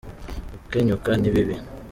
gukenyuka nibibi.